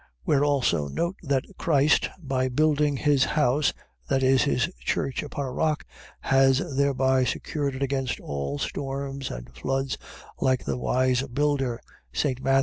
Where also note, that Christ, by building his house, that is, his church, upon a rock, has thereby secured it against all storms and floods, like the wise builder, St. Matt.